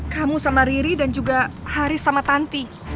kamu sama riri dan juga haris sama tante